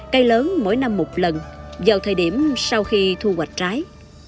cây lớn mỗi năm một lần vào thời điểm sau khi thu hoạch trái